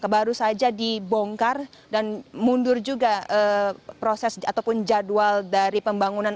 baru saja dibongkar dan mundur juga proses ataupun jadwal dari pembangunan